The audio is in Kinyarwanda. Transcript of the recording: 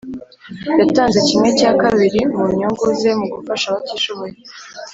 yatanze kimwe cyakabiri mu nyungu ze mugufasha abatishoboye